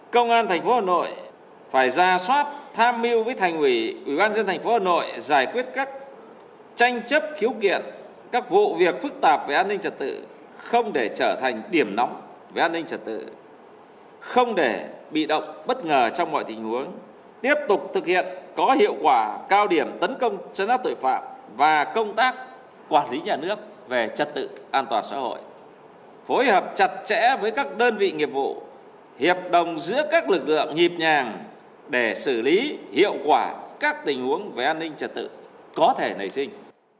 quản lý nhà nước về trật tự an toàn xã hội phối hợp chặt chẽ với các đơn vị nghiệp vụ hiệp đồng giữa các lực lượng nhịp nhàng để xử lý hiệu quả các tình huống về an ninh trật tự có thể nảy sinh